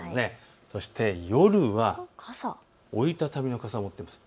そして夜は折り畳みの傘を持っています。